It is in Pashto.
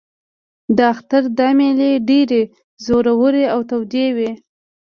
د اختر دا مېلې ډېرې زورورې او تودې وې.